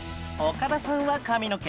岡田さんは「髪の毛」